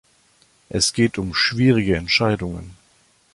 Es geht um schwierige Entscheidungen.